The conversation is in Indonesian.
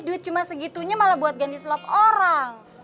duit cuma segitunya malah buat ganti slog orang